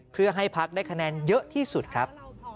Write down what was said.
เพื่อให้พักได้คะแนนเยอะที่สุดครับ